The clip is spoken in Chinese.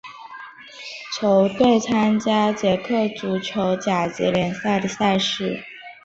球队参加捷克足球甲级联赛的赛事。